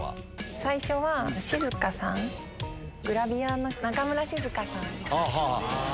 最初は静香さん、グラビアの、あ、中村静香さん。